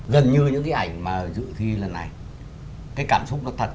gần như những cái ảnh mà dự thi lần này cái cảm xúc nó thật